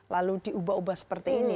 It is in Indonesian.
lalu diubah ubah seperti ini